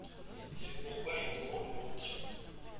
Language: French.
C’est pourquoi j’en demande le retrait.